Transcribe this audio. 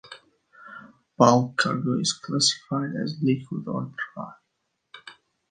Bulk cargo is classified as liquid or dry.